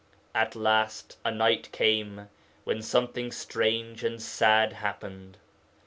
'At last, a night came when something strange and sad happened.